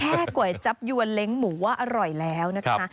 แค่ก๋วยจับยวนเล็งหมูอร่อยแล้วนะคะ